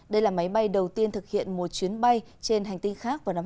đây là máy bay đầu tiên thực hiện một chuyến bay trên hành tinh khác vào năm hai nghìn hai mươi